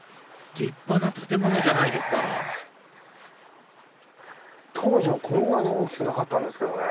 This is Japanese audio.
立派な建物じゃないですか当時はこんなに大きくなかったんですけどね。